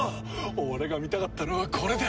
俺が見たかったのはこれだ！